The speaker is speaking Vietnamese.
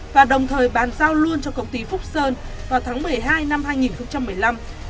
và đồng thời bàn giao luôn cho công ty phúc sơn vào tháng một mươi hai năm hai nghìn một mươi năm